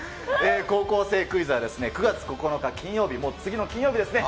高校生クイズは、９月９日金曜日、もう次の金曜日ですね。